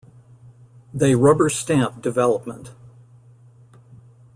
They rubber-stamp development.